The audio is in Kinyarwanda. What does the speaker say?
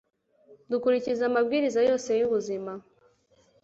dukurikiza amabwiriza yose yubuzima